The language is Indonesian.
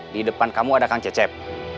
di depan kamu ada kang cecep